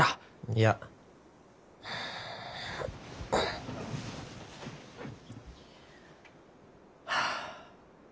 いや。はあ。